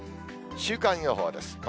週間予報です。